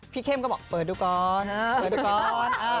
พี่เข็มก็บอกเปิดดูก่อน